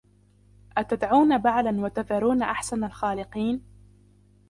أتدعون بعلا وتذرون أحسن الخالقين